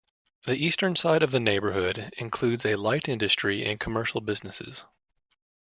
The eastern side of the neighborhood includes a light-industry and commercial businesses.